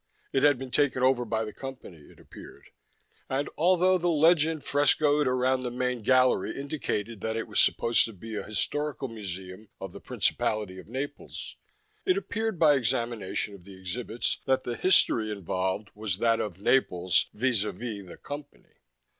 It had been taken over by the Company, it appeared, and although the legend frescoed around the main gallery indicated that it was supposed to be a historical museum of the Principality of Naples, it appeared by examination of the exhibits that the "history" involved was that of Naples vis a vis the Company.